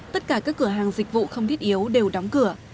tất cả các cửa hàng dịch vụ không thiết yếu đều đóng cửa